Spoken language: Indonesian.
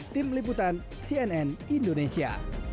tim liputan cnn indonesia